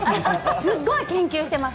すごい研究しています